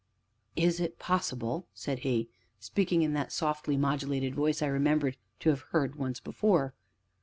"Is it possible?" said he, speaking in that softly modulated voice I remembered to have heard once before.